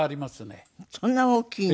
そんな大きいの？